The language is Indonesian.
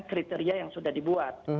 kriteria yang sudah dibuat